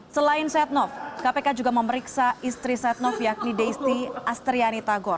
selain setnov kpk juga memeriksa istri setnov yakni deisti astriani tagor